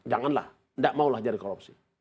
janganlah tidak maulah jadi korupsi